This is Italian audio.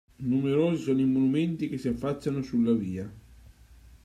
Numerosi sono i monumenti che si affacciano sulla via.